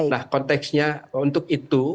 nah konteksnya untuk itu